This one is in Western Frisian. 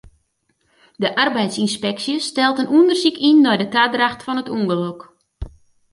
De arbeidsynspeksje stelt in ûndersyk yn nei de tadracht fan it ûngelok.